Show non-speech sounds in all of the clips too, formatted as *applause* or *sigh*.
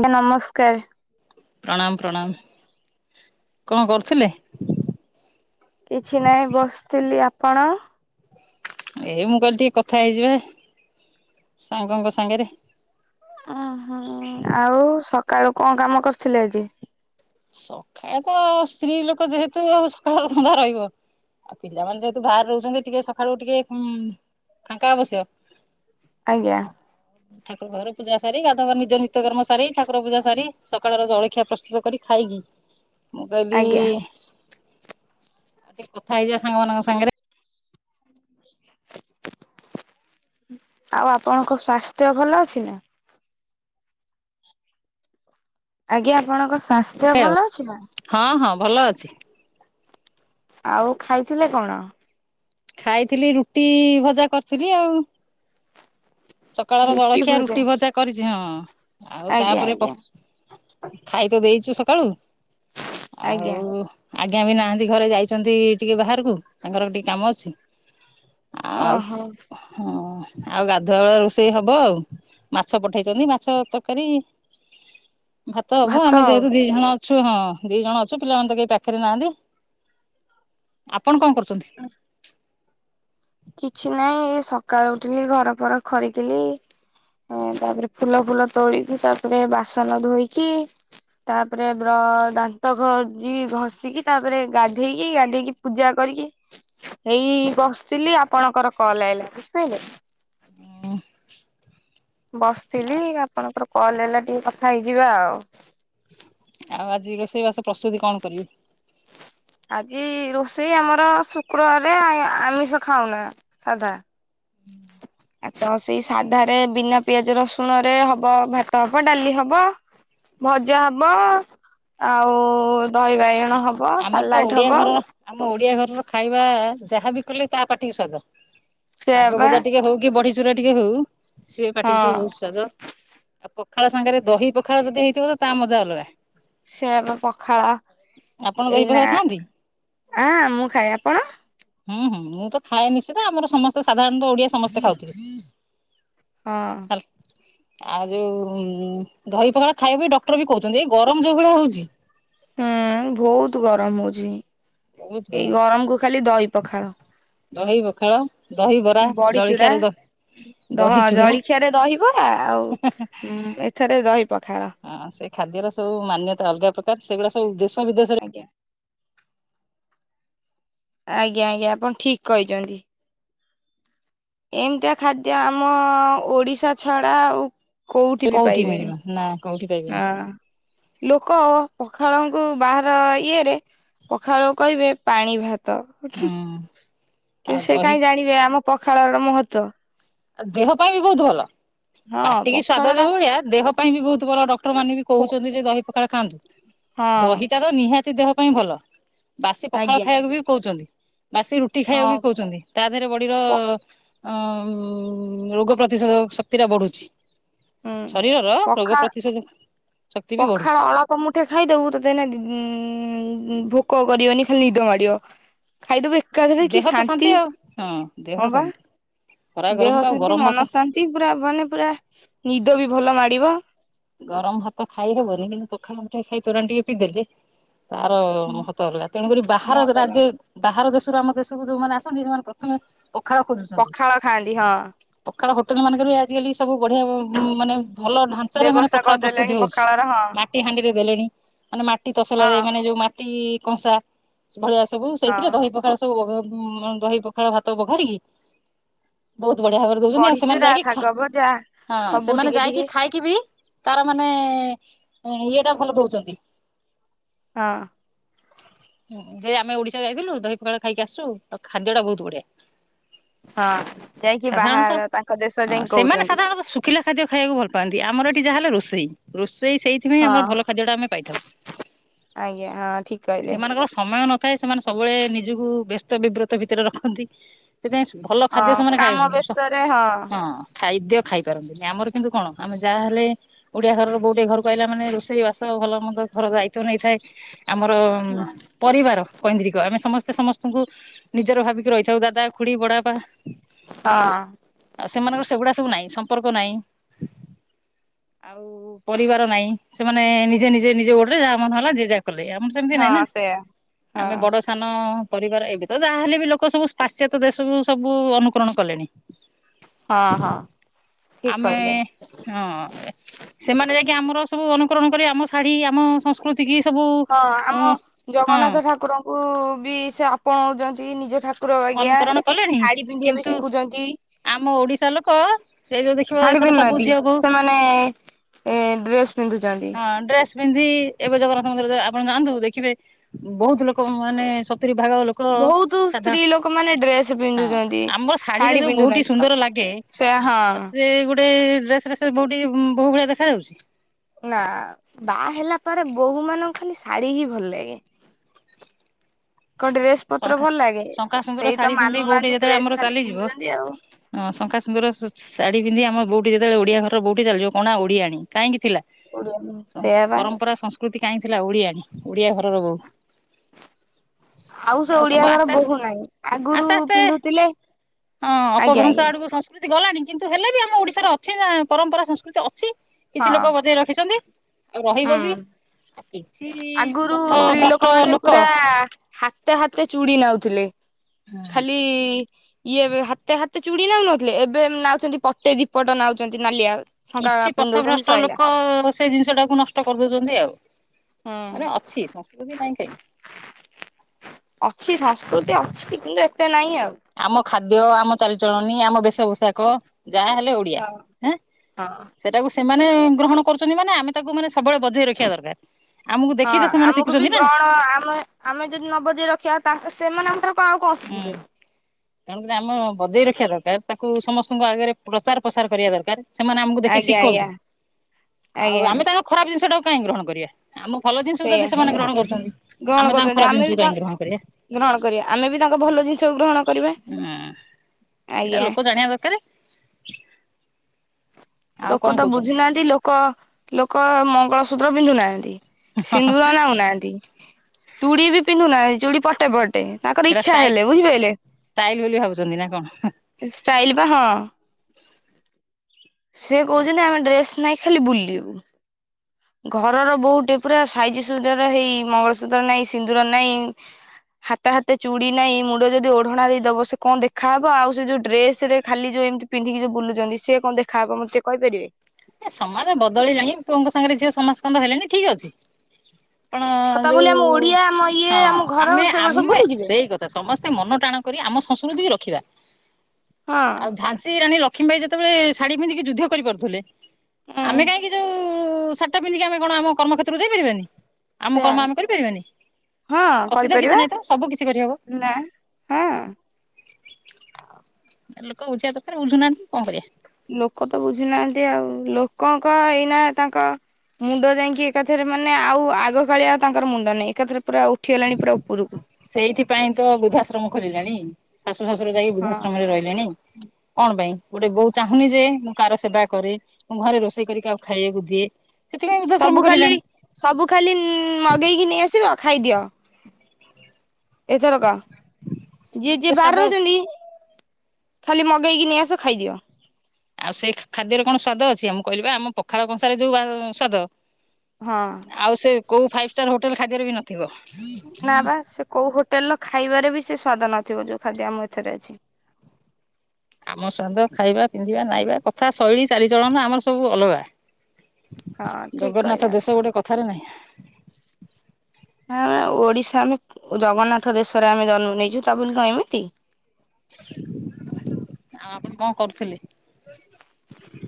ଆଜ୍ଞା, ନମସ୍କାର! ପ୍ରଣାମ ପ୍ରଣାମ କଣ କରୁଥିଲେ? କିଛି ନାଇଁ ବସିଥିଲି। ଆପଣ? ଏଇ ମୁଁ କଇଲି ଟିକେ କଥା ହେଇଯିବା ସାଙ୍ଗଙ୍କ ସାଙ୍ଗରେ। ଅ ହଁ ଆଉ ସକାଳୁ କଣ କାମ କରିଥିଲେ ଆଜି? ସଖାଳେ ତ ସ୍ତ୍ରୀ ଲୋକ ଯେହେତୁ, ଆଉ ସକାଳ ଧନ୍ଦା ରହିବ। ଆଉ, ପିଲାମାନେ ଯେହେତୁ ବାହାରେ ରହୁଛନ୍ତି। ଟିକେ ସକାଳୁ ଟିକେ ଉମ୍ ଫାଙ୍କା ଅବଶ୍ୟ। ଆଜ୍ଞା। ଠାକୁର, ଫାକୁର ପୂଜା ସାରି, ଗାଧଘ ନିଜ ନିତ୍ୟକର୍ମ ସାରି, ଠାକୁର ପୂଜା ସାରି, ସକାଳର ଜଳଖିଆ ପ୍ରସ୍ତୁତ କରି ଖାଇକି, ମୁଁ ଆଜ୍ଞା କହିଲି-ଇ ଆଉ ଟିକେ କଥା ହେଇଯା, ସାଙ୍ଗମାନଙ୍କ ସାଙ୍ଗରେ ଆଉ ଆପଣଙ୍କ ସ୍ୱାସ୍ଥ୍ୟ ଭଲ ଅଛି ନା? ଆଜ୍ଞା ଆପଣଙ୍କ ସ୍ଵାସ୍ଥ୍ୟ ଆଉ ଭଲ ଅଛି ନା? ହଁ ହଁ ଭଲ ଅଛି। ଆଉ ଖାଇଥିଲେ କଣ? ଖାଇଥିଲି ରୁଟି ଭଜା କରିଥିଲି ଆଉ। ସକାଳର ଜଳଖିଆ ରୁଟି, ଭଜା କରିଛି ହଁ। ଆଉ ଆଜ୍ଞା ତାପରେ ଆଜ୍ଞା ଖାଇ ତ ଦେଇଚୁ ସକାଳୁ ଆଜ୍ଞା ଆଉ ଆଜ୍ଞା ବି ନାହାଁନ୍ତି ଘରେ ଯାଇଚନ୍ତି ଟିକେ ବାହାରକୁ, ତାଙ୍କର ଟିକେ କାମ ଅଛି ଆଉ ଓହୋ ହଁ। ଆଉ ଗାଧୁଆବେଳ ରୋଷେଇ ହବ ଆଉ। ମାଛ ପଠେଇଛନ୍ତି, ମାଛ ତରକାରୀ ଭାତ ହବ ଆମେ ଯେହେତୁ ଦିଜଣ ଅଛୁ ହଁ। ଦି ଜଣ ଅଛୁ ପିଲାମାନେ ତ କେହି ପାଖରେ ନାହାଁନ୍ତି ଆପଣ କଣ କରୁଚନ୍ତି? କିଛି ନାହିଁ ଏଇ ସକାଳୁ ଉଠିଲି, ଘର ଫର ଖରକିଲି ତାପରେ ଫୁଲ ଫୁଲ ତୋଳିକି, ତାପରେ ବାସନ ଧୋଇକି ତାପରେ ବ୍ର ଦାନ୍ତ ଘୋଜି ଘଷିକି, ତାପରେ ଗାଧେଇକି, ଗାଧେଇକି ପୂଜା କରି ରିକି ଏଇ ବସିଥିଲି ଆପଣଙ୍କର କଲ ଆଇଲା। ବୁଝିପାଇଲେ? ମାଁ ବସଥିଲି ଆପଣଙ୍କର କଲ ଆଇଲା ଟିକେ କଥା ହେଇଯିବା ଆଉ। ଆଉ ଆଜି ରୋଷେଇବାସ ପ୍ରସ୍ତୁତି କଣ କରିବି? ଆଜି ରୋଷେଇ ଆମର ଶୁକ୍ରବାରେ ଆଇଁ ଆମିଷ ଖାଉନା ସାଧା। ହୁଁ *inaudible* ଆ ତ ସେଇ ସାଧାରେ ବିନା ପିଆଜ ରସୁଣରେ ହବ ଭାତ ହବ, ଡାଲି ହବ ଭଜା ହବ, ଆଉ ଦହି ବାଇଗଣ ହବ ଆମର ତ ସାଲାଟ ଓଡିଆ ହବ। ଘରର, ଆମ ଓଡିଆ ଘରର ଖାଇବା ଯାହାବି କଲେ ତା ପାଟିକି ସ୍ୱାଦ। ସେୟା ଶାଗ ପା ଭଜା ଟିକେ ହଉ, କି ବଢି ଚୁରା ଟିକେ ହଉ, ସିଏ ପାଟିକି ତ ହଁ ବହୁତ ସ୍ଵାଦ। ଆଉ ପଖାଳ ସାଙ୍ଗରେ ଦହି ପଖାଳ ଯଦି ହେଇଥିବ ତ ତା ମଜା ଅଲଗା। ସେୟା ବା ପଖାଳ ଆପଣ ଦହି ଏଇନା ପଖାଳ ଆ ଖାଆନ୍ତି? ଆଁ ମୁଁ ଖାଏ, ଆପଣ? ହୁଁ ହୁଁ ମୁଁ ତ ଖାଏ ନିଶ୍ଚିତ, ଆମର ସମସ୍ତେ ସାଧାରଣତଃ ଓଡିଆ ସମସ୍ତେ ଖାଉଥିଲେ। ହଁ। ଆଉ ଯୋଉ ଦହିପଖାଳ ଖାଇବାକୁ ଡକ୍ଟର ବି କହୁଛନ୍ତି। ଏଇ ଗରମ ଯୋଉ ଭଳିଆ ହଉଛି ହୁଁ ଭଉତ ଗରମ ହଉଛି। ବହୁତ ଏଇ ଗରମ ଗରମକୁ ଖାଲି ଦହି ପଖାଳ। ଦହି ପଖାଳ, ଦହି ବରା, ବଡିଚୁରା ଜଳଖିଆରେ ଦହି ଦହ ହଁ ଚୁଡା ଜଳଖିଆରେ ଦହିବରା ଆଉ ଉଁ ଏଥେରେ ଦହି ପଖାଳ। ହଁ ସେ ଖାଦ୍ୟର ସବୁ ମାନ୍ୟତା ଅଲଗା ପ୍ରକାର, ସେଗୁଡ଼ା ସବୁ ଦେଶ ବିଦେଶରେ ଆଜ୍ଞା ଆଜ୍ଞା ଆଜ୍ଞା ଆପଣ ଠିକ କହିଛନ୍ତି। ଏମିତିଆ ଖାଦ୍ୟ ଆମ ଓଡିଶା ଛଡା ଆଉ କୋଉଠି ବି ମିଳିବ ପାଇବେନି? ନା କୋଉଠି ପାଇବେନି। ହଁ ଲୋକ ପଖାଳଙ୍କୁ ବାହାର ଇଏରେ ପଖାଳକୁ କହିବେ ପାଣି ଭାତ୍। ତ ଉଁହୁଁ ହୁଁ କିନ୍ତୁ ଆଉ ସେ ଦହି କାହିଁ ଜାଣିବେ ଆମ ପଖାଳର ମହତ୍ତ୍ୱ। ଆଉ ଦେହ ପାଇଁ ବି ବହୁତ ଭଲ। ହଁ ପାଟିକି ପଖାଳ ସ୍ଵାଦ ଟା ଯୋଉଭଳିଆ ଦେହ ପାଇଁ ବି ବହୁତ ଭଲ ଡକ୍ଟର ମାନେ ବି କହୁଛନ୍ତି ଯେ ଦହି ପଖାଳ ଖାଆନ୍ତୁ। ହଁ ଦହିଟା ତ ନିହାତି ତି ଦେହ ପାଇଁ ଭଲ। ବାସି ଆଜ୍ଞା। ପଖାଳ ଖାଇବାକୁ ବି କହୁଛନ୍ତି ବାସି ରୁଟି ଖାଇବାକୁ ବି ହଁ କହୁଛନ୍ତି। ତା ଦେହରେ ବଡିର ପ ଉଁ ଉଁ ରୋଗ ପ୍ରତିଶେଧକ ଶକ୍ତି ଟା ବଢୁଛି। ହୁଁ ଶରୀରର ରୋଗ ପଖା ପ୍ରତିଶୋଧକ ଶକ୍ତି ବି ବଢୁଛି ପଖାଳ ଅଳପ ମୁଠେ ଖାଇଦବୁ, ତତେ ଏଇନା ଦି ଉମ୍ ଭୋକ କରିବନି ଖାଲି ନିଦ ମାଡିବ। ଖାଇଦବୁ ଏକାଥରେ କି ଦେହ ତ ଶାନ୍ତି ଆଉ ହଁ ଦେହ ହଁ ବା। ଶାନ୍ତି ଖରା ଦେହ ଗରମକୁ ଆଉ ଶାନ୍ତି ଗରମ ଭାତ ମନ ଶାନ୍ତି ପୁରା ମାନେ ପୁରା ନିଦ ବି ଭଲ ମାଡିବ ଗରମ ଭାତ ଖାଇହବନି କିନ୍ତୁ ପଖାଳ ମୁଠେ ଖାଇ ତୋରାଣ ଟିକେ ପିଇ ଦେଲି ତାର ମହତ ଅଲଗା ତେଣୁକ ବାହାର ମହତ ହେଲା ରାଜ୍ୟ ବାହାର ଦେଶ ଆମ ଦେଶକୁ ଯୋଉମାନେ ଆସନ୍ତି, ସେମାନେ ପ୍ରଥମେ ପଖାଳ ଖୋଜୁଛନ୍ତି ପଖାଳ ଖାଆନ୍ତି ହଁ ପଖାଳ ହୋଟେଲ ମାନଙ୍କରେ ବି ଆଜିକାଲି ସବୁ ବଢି ମାନେ ଭଲ ଢାଞ୍ଚାରେ ମାନେ ବ୍ୟବସ୍ଥା ପ୍ରସ୍ତୁତି କରିଦେଲେଣି ହଉଛି ପଖାଳର ହଁ ମାଟି ହାଣ୍ଡିରେ ଦେଲେଣି, ମାନେ ମାଟି ତସଲାରେ ହଁ ମାନେ ଯୋଉ ମା ଟି କଂସା ଭଳିଆ ସବୁ ସେଇଥିରେ ହଁ ଦହି ପଖଳ ସବୁଭ ଦହି ପଖାଳ ଭାତ ପଖାଳିକି ବହୁତ ବଢିଆ ଭାବରେ ଦଉଛନ୍ତି, ଆଉ ସେମାନେ ବଢିଚୁରା ଯାଇକି ଶାଗ ଭଜା ହଁ ସବୁ ସେମାନେ ଟିକେ ଯାଇକି ଟିକେ ଖାଇକି ବି ତାର ମାନେ ଇଏ ଟା ଭଲ ପାଉଛନ୍ତି ହଁ। ଯେ ଆମେ ଓଡିଶା ଯାଇଥିଲୁ ଦହି ପଖାଳ ଖାଇକି ଆସଛୁ ଖାଦ୍ୟ ଟା ବହୁତ ବଢିଆ ହଁ ଯାଇକି ସାଧାରଣତଃ ବାହାର ତାଙ୍କ ଦେଶ ହଁ ଯାଇ ସେମାନେ କହୁଛନ୍ତି ସାଧାରଣତଃ ଶୁଖିଲା ଖାଦ୍ୟ ଖାଇବାକୁ ଭଲ ପାଆନ୍ତି, ଆମର ଏଠି ଯାହା ହେଲେ ରୋଷେଇ ସେ ସେଇଥିପାଇଁ ହଁ ଆମର ଭଲ ଖାଦ୍ୟ ଟା ଆମେ ପାଇଥାଉ ଆଜ୍ଞା ହଁ ଠିକ କହିଲେ। ସେମାନଙ୍କର ସମୟ ନଥାଏ ସେମାନେ ସବୁବେଳେ, ନିଜକୁ ବ୍ୟସ୍ତ ବିବ୍ରତ ଭିତରେ ରଖନ୍ତି ସେଥିପାଇଁ ଭଲ ଖାଦ୍ୟ ହଁ ସେମାନେ ଖାଇସ କାମ ବ୍ୟସ୍ତରେ ହଁ ହଁ ଖାଦ୍ୟ ଖାଇ ପାରନ୍ତିନି ଆମର କିନ୍ତୁ କଣ ଆମେ ଯାହାହଲେ ଓଡିଆ ଘରର ବୋହୂ ଘରକୁ ଆହିଲା ମାନେ ରୋଷେଇ ବାସ ଭଲ ମନ୍ଦ ଘର ଦାୟିତ୍ବ ନେଇଥାଏ, ଆମର ପରିବାର କୈନ୍ଦ୍ରିକ ଆମେ ସମସ୍ତେ ସମସ୍ତଙ୍କୁ ନିଜର ଭାବିକି ରହିଥାଉ ଦାଦା ଖୁଡି ବଡା ବା ହଁ ଆଉ ସେମାନଙ୍କର ସେଗୁଡା ସବୁ ନାହିଁ ସମ୍ପର୍କ ନାହିଁ ଆଉ ପରିବାର ନାଇଁ ସେମାନେ ନିଜେ ନିଜେ ନିଜେ ଗୋଡରେ ଯାହା ମେ ହେଲା ଯ ଯା କଲେ ଆମର ସେମିତି ନାଇଁ ନା ହଁ ସେୟା ଆମେ ହଁ ବଡ ସାନ ପରିବାର ଏବେ ତ ଯାହାହଲେ ବି ଲୋକ ସବୁ ପାଶାତ୍ୟ ଦେ ସବୁ ସବୁ ଅନୁକରଣ କଲେଣି ହଁ ହଁ ଠିକ ଆମେ କହିଲେ ହଁ ସେମାନେ ଯାଇ ଆମର ସବୁ ଅନୁକରଣ କରି ଆମ ଶାଢ଼ୀ ଆମ ସଂସ୍କୃତି କି ସବୁ ହଁ ଅ ଆମ ଜଗନ୍ନାଥ ଠାକୁରଙ୍କୁ ବି ସେ ଆପଣାଉଛନ୍ତି ନିଜ ଠାକୁର କୁକୁରବାଜା ଅନୁକରଣ କଲେଣି ଶାଢୀ ପିନ୍ଧିବା କିନ୍ତୁ ପାଇଁ ଶିଖୁଛନ୍ତି ଆମ ଓଡିଶା ଲୋକ ସେ ଯୋଉ ଦେଖିବ ଶାଢୀ ଏଥର ସବୁ ପିନ୍ଧୁନାହାନ୍ତି ଝିଅକୁ ସେମାନେ ଏ ଡ୍ରେସ ପିନ୍ଧୁଛନ୍ତି। ହଁ ଡ୍ରେସ ପିନ୍ଧି ଏବେ ଜଗନ୍ନାଥ ମନ୍ଦିର ଆପଣ ଯାଆନ୍ତୁ, ଦେଖିବେ ବହୁତ ଲୋକ ମାନେ ରି ଭାଗ ଲୋକ ବହୁତ ସ୍ତ୍ରୀ ସାଧାରଣ ଲୋକମାନେ ଡ୍ରେସ ହଁ ପିନ୍ଧୁଛନ୍ତି ଆମର ଶାଢୀରେ ଶାଢୀ ଯୋଉ ବହୁଠି ପିନ୍ଧୁନାହାନ୍ତି ତ ସୁନ୍ଦର ଲାଗେ ସେ ହଁ ସେ ଗୋଟେ ଡ୍ରେସ ବୋଉ ଟିକି ବୋହୁ ଭଳିଆ ଦେଖାଯାଉଛି ନା ବାହା ହେଲା ପରେ ବୋହୂ ମାନଙ୍କ ଖାଲି ଶାଢୀ ହିଁ ଭଲ ଲାଗେ ଙ୍କ ଡ୍ରେସ *inaudible* ପତ୍ର ଶଙ୍ଖା ଭଲ ଲାଗେ ଶଙ୍ଖା ସୁନ୍ଦର ସେଇ ତ ଶାଢୀ ପିନ୍ଧେଇ ବୋଉଠି ମାନୁନାହାନ୍ତି ଯେତେବେଳେ ଡ୍ରେସ ଆମର ଖାଲି ଚାଲିଯିବ ପିନ୍ଧୁଛନ୍ତି ଆଉ। ହଁ ଶଙ୍କା ସୁନ୍ଦର ଶାଢୀ ପିନ୍ଧି ଆମ ବୋଉଠିତେବେଳେ ଓଡିଆ ଘର ବୋଉି ଚାଯିବ କଣା ଓଡିଆ ଆଣି କାହିଁକି ଥିଲା ଓଡିଆ ସେଇଆ ବା ପରମ୍ପରା ସଂସ୍କୃତି କାହିଁ ଥିଲା ଓଡିଆଣ ଓଡିଆ ଘରର ବୋଉ ଆଉ ସେ ଓଡିଆ ଘର ଆସ୍ତେ ଆସ୍ତେ ବୋହୁ ନାହିଁ ଆଗରୁ ଆସ୍ତେ ଆସ୍ତେ ପିନ୍ଧୁଥିଲେ ହଁ ଆଜ୍ଞା ଅପଭ୍ରଂଶ ଆଜ୍ଞା ଆଡକୁ ସଂସ୍କୃତି ଗଲାଣି କିନ୍ତୁ ହେଲେ ବି ଆମ ଓଡିଶାର ଅଛି ନା ପରମ୍ପରା ସଂସ୍କୃତି ଅଛି ହଁ କିଛି ଲୋକ ବଧେଇ ରଖିଛନ୍ତି ଆଉ ରହିବ ହୁଁ ବି ଆଉ କିଛି ଆଗରୁ ପଥ ଭ୍ରଷ୍ଟ ଲୋକ ହ ହାତ ଚୁଡ଼ି ନଉଥିଲେ ଖାଲି ଇଏ ହାତ ହାତ ଏେ ଚୁଡ଼ି ନଉ ନଥିଲେ ଏବେ ନାଉଛନ୍ତି ପଟେ ଦୀପଟ ନାଉଛନ୍ତି ନାଲିଆ ଶଙ୍କା କିଛି ପଥ ପିନ୍ଧଉଛନ୍ତି ଭ୍ରଷ୍ଟ ସଇଲା ଲୋକ ସେ ଜିନିଷ ଟାକୁ ନଷ୍ଟ କରିଦଉଛନ୍ତି ଆଉ ହୁଁ ମାନେ ଅଛି ସଂସ୍କୃତି ନାଇଁ କାହିଁ ଅଛି ଶାସ୍କତି ଅଛି କିନ୍ତୁ ଏଟା ନାଇଁ ଆଉ ଆମ ଖାଦ୍ୟ ଆମ ଚାଲିଚଳନି ଆମ ବେଶ ପୋଷାକ ଯାହା ହେଲେ ଓଡିଆଁ ହଁ ହଁ। ସେଟାକୁ ସେମାନେ ଗ୍ରହଣ କରୁଛନ୍ତି, ମାନେ ଆମେ ତାକୁ ମାନେ ସବୁବେଳେ ବଜେଇ ରଖିବା ଦରକାର। ଆମକୁ ହଁ ଦେଖି ତ ସେମାନେ ଆମକୁ ଶିଖୁଛନ୍ତି ବି ନା ହୁଁ ଗ୍ରହଣ ଆମେ ଆମେ ଯଦି ନ ବଜେଇ ରଖିବା ତାଙ୍କ୍ ସେମାନଙ୍କଠାରୁ କ ଆଉ କଣ ଶିଖିବେ? ତେଣୁକରି ଆମ ବଜେଇ ରଖିବା ଦରକାର ତାକୁ ସମସ୍ତଙ୍କ ଆଗରେ ପ୍ରଚାର ପ୍ରସାର କରିବା ଦରକାର। ସେମାନେ ଆମକୁ ଦେଖି ଆଜ୍ଞା ଆଜ୍ଞା ଶିଖନ୍ତୁ। ଆଉ ଆଜ୍ଞା ଆମେ ତାଙ୍କ ଖରାପ ଜିନିଷ ଟାକୁ କାହିଁକି ଗ୍ରହଣ କରିବା। ଆମ ଭଲ ଜିନିଷକୁ ସେଇଆ ଯଦି ସେମାନେ ଗ୍ରହଣ କରୁଛନ୍ତି। ଗ୍ରହଣ ଆମେ ତାଙ୍କ କରୁଛନ୍ତି ଖରାପ ବି ଜିନିଷକୁ ତା କାହିଁକି ଗ୍ରହଣ କରିବା। ଗ୍ରହଣ କରିବା ଆମେ ବି ତାଙ୍କ ଭଲ ଜିନିଷକୁ ଗ୍ରହଣ କରିବା ହୁଁ ସେଟା ଆଜ୍ଞା। ଲୋକ ଜାଣିବା ଦରକାର। ହ ଲୋକ ତ ବୁଝୁନାହାନ୍ତି ଲୋକ ଲୋକ ମଙ୍ଗଳସୂତ୍ର ପିନ୍ଧୁ ନାହାନ୍ତି। ସିନ୍ଦୁର ନାଉନାହାନ୍ତି ଚୁଡି ବି ପିନ୍ଧୁନାହାନ୍ତି। ଚୁଡ଼ି ପଟେ ପଟେ ତାଙ୍କର ଏଟା ଇଚ୍ଛା ଷ୍ଟାଇ ହେଲେ ବୁଝିପାରିଲେ? ଷ୍ଟାଇଲ ବୋଲି ଭାବୁଛନ୍ତି ନା କଣ? ଷ୍ଟାଇଲ ବା ହଁ ସେ କହୁଛନ୍ତି ଆମେ ଡ୍ରେସ ନାଇଁ ଖାଲି ବୁଲିବୁ। ଘରର ବୋହୁଟେ ପୁରା ସାଇଜି ସୁଜର ହେଇ ମଙ୍ଗଳସୂତ୍ର ନାଇଁ ସିନ୍ଦୁର ନାଇଁ ହାତେ ହାତେ ଚୁଡି ନାଇଁ ମୁଣ୍ଡ ଯଦି ଓଢଣା ଦେଇଦବ ସେ କଣ ଦେଖାହବ ଆଉ ସେ ଯୋଉ ଡ୍ରେସ ରେ ଖାଲି ଯୋଉ ଏମିତି ପିନ୍ଧିକି ଯୋଉ ବୁଲୁଛନ୍ତି ସେ କଣ ଦେଖାହବ ମୋତେ ଟିକେ କହିପାରିବେ? ଏ ସମାଜ ବଦଳିଲାଣି ପୁଅଙ୍କ ସାଙ୍ଗରେ ଝିଅ ସମସ୍କନ୍ଦ ହେଲେଣିି ଠିକ ଅଛି। ଆପଣ କଥା ବୋଲି ଯୋଉ ଆମ ଓଡିଆ ଆମ ଇଏ ହଁ ଆମ ଘର ଆମେ ସେଗୁଡା ସବୁ ଆମେ ଭୁଲି ଯିବେ? ସେଇ କଥା ସମସ୍ତେ ମନ ଟାଣ ଆମ ସଂସ୍କୃତିକି ବି ରଖିବା। ହଁ ଆଉ ଝାନ୍ସୀ ରାଣୀ ଲକ୍ଷ୍ମୀ ବାଇ ଯେତେବେଳେ ଶାଢୀ ପିନ୍ଧିକି ଯୁଦ୍ଧ କରିପାରୁଥିଲେ ଉଁ ଆମେ କାହିଁକି ଯୋଉ ସାଢିଟା ପିନ୍ଧିକି ଆମେ କଣ ଆମ କର୍ମକ୍ଷେତ୍ରକୁ ଯାଇପାରିବାନି? ଆମ ସେୟା କର୍ମ ଆମେ କରିପାରିବାନି? ହଁ ଅସୁବିଧା କିଛି କରିପାରିବା ନହିଁ ତ ସବୁ କିଛି କରିହବ। ନା ହଁ ଲୋକ ବୁଝିବା ଦରକାରେ ବୁଝୁନାହାନ୍ତି କଣ କରିବା। ଲୋକ ତ ବୁଝୁନାହାନ୍ତି ଆଉ ଲୋକଙ୍କ ଏଇନା ତାଙ୍କ ମୁଣ୍ଡ ଯାଇକି ଏକାଥରେ ମାନେ ଆଉ ଆଗକାଳିଆ ଆଉ ତାଙ୍କର ମୁଣ୍ଡ ନାଇଁ ଏକାଥରେ ପୁରା ଉଠିଗଲାଣି ପୁରା ଉପରକୁ। ସେଇଥିପାଇଁ ତୋ ଶ୍ୱଶୁର ଯାଇକ ହଁ। ବୃଧାଶ୍ରମରେ ରହିଲେନି? କଣ ପାଇଁ ଗୋଟେ ବୋଉ ଚାହୁଁନି ଯେ ମୁଁ କାହାର ସେବା କରେ ମୁଁ ଘରେ ରୋଷେଇ କରିକି କାକୁ ଖାଇବାକୁ ଦିଏ ସେଥିପାଇଁ ବୃଦ୍ଧାଶ୍ରମ ସବୁ ଖାଲି ଖୋଲିଲାଣି ସବୁ ଖାଲି ମଗେଇକି ନେଇଆସିବ ଖାଇଦିଅ। ଏଥର କ ସେ ଯିଏ ଖାଦ୍ୟର ଯିଏ ସ୍ଵାଦ ବାହରେ ଅଛି। ରହୁଛନ୍ତି ଖାଲି ମଗେଇକି ନେଇଆସ ଖାଇଦିଅ। ଆଉ ସେଇ ଖାଦ୍ୟର କଣ ସ୍ୱାଦ ଅଛି? ଆମକୁ କହିଲିବା ଆମ ପଖାଳ କଂସାରେ ଯୋଉ ସ୍ୱାଦ। ହଁ ଆଉ ସେ କୋଉ ଫାଇଭ ଷ୍ଟାର ହୋଟେଲ ଖାଦ୍ୟରେ ବି ନଥିବ। ନା ବା ସେ କୋଉ ହୋଟେଲ ର ଖାଇବାରେ ବି ସେ ସ୍ଵାଦ ନଥିବ ଯୋଉ ଖାଦ୍ୟ ଆମ ଏଥିରେ ଅଛି। ଆମ ସ୍ୱାଦ ଖାଇବା ପିନ୍ଧିବା ନାଇବା କଥା ଶୈଳୀ ଚାଲି ଚଳଣ ଆମର ସବୁ ଅଲଗା। ହଁ ଠିକ କହିଲେ ଜଗନ୍ନାଥ ଆପଣ ଦେଶ ଗୋଟେ କଥାରେ ନାହିଁ ହମ ଓଡିଶା ଆମେ ଜଗନ୍ନାଥ ଦେଶରେ ଆମେ ଜନ୍ମ ନେଇଛୁ ତା ବୋଲି କଣ ଏମିତି। ଆଉ ଆପଣ କଣ କରୁଥିଲେ?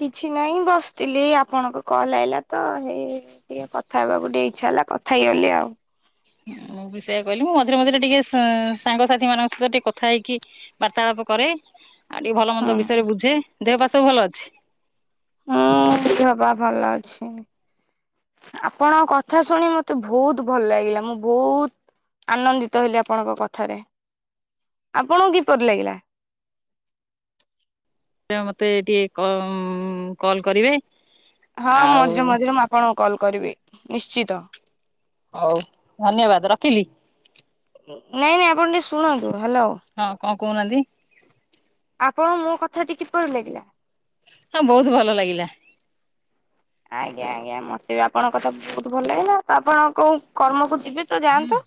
କିଛି ନାହିଁ ବସିଥିଲି ଆପଣଙ୍କୁ କଲ ଆଇଲା ତ ହେଇ ଟିକେ କଥା ହେବାକୁ ଟିକେ ଇଚ୍ଛା ହେଲା କଥା ହେଇଗଲି ଆଉ। ମୁଁ ବି ସେଇଆ କହିଲି। ମୁଁ ମଝିରେ ମଝିରେ ଟିକେ ସି ସାଙ୍ଗସାଥି ମାନଙ୍କ ସହିତ ଟିକେ କଥା ହେଇକି ବାର୍ତ୍ତାଳାପ କରେ ଆଉ ଟିକେ ଭଲ ହୁଁ ମନ୍ଦ ବିଷୟରେ ବୁଝେ ଦେହ ପାହା ସବୁ ଭଲ ଅଛି? ହୁଁ ଦେହ ପା ଭଲ ଅଛି। ଆପଣଙ୍କ କଥା ଶୁଣି ମତେ ବହୁତ ଭଲ ଲାଗିଲା ମୁଁ ବହୁତ ଆନନ୍ଦିତ ହେଲି ଆପଣଙ୍କ କଥାରେ। ଆପଣଙ୍କୁ କିପରି ଲାଗିଲା? ମତେ ଟିକେ କମ୍ କଲ କରିବେ ହଁ ଆଉ ମଝିରେ ମଝିରେ ମୁଁ ଆପଣଙ୍କୁ କଲ୍ କରିବି ନିଶ୍ଚିତ। ହଉ ଧନ୍ୟବାଦ ରଖିଲି। ନାଇଁ ନାଇଁ ଆପଣ ଟିକେ ଶୁଣନ୍ତୁ ହାଲୋ। ହଁ କଣ କହୁନାହାଁନ୍ତି? ଆପଣଙ୍କୁ ମୋ କଥାଟି କିପରି ଲାଗିଲା? ହଁ ବହୁତ ଭଲ ଲାଗିଲା। ଆଜ୍ଞା ଆଜ୍ଞା। ମତେ ବି ଆପଣଙ୍କ କଥା ବହୁତ ଭଲ ଲାଗିଲା। ତ ଆପଣ କୋଉଁ କର୍ମକୁ ଏବେ ତ ଯାଆନ୍ତୁ,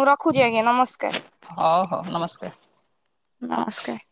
ମୁଁ ରଖୁଛି ଆଜ୍ଞା ନମସ୍କାର। ହଉ ହଉ ନମସ୍କାର। ନମସ୍କାର।